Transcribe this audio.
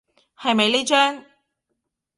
係咪呢張？